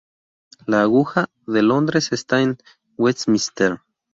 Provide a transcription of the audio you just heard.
La "aguja" de Londres está en Westminster.